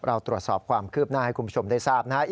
เราตรวจสอบความคืบหน้าให้คุณผู้ชมได้ทราบนะครับ